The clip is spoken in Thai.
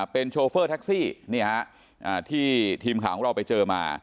เป็นโชเฟอร์แท็กซี่ที่ทีมข่าวของเราไปเจอมา